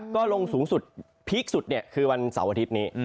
ก็ลงสูงสุดพีคสุดคือวันเสาร์อาทิตย์นี้